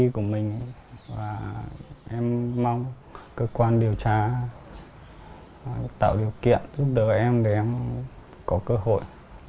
cảm ơn các bạn đã theo dõi